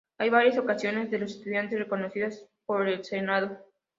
Hay varias asociaciones de los estudiantes, reconocidas por el Senado.